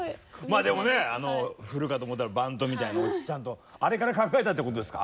でもね振るかと思ったらバントみたいなオチちゃんとあれから考えたってことですか？